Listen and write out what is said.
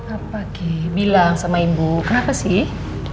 apa ke bilang sama ibu kenapa sih